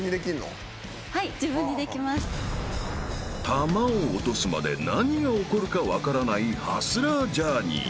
［球を落とすまで何が起こるか分からないハスラージャーニー］